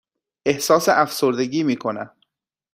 احساس افسردگی می کنم.